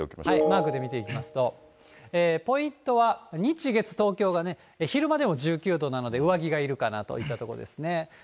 マークで見ていきますと、ポイントは日月、東京がね、昼間でも１９度なので、上着がいるかなといったところですね。